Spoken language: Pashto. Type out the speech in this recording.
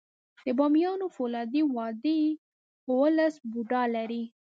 د بامیانو فولادي وادي اوولس بودا لري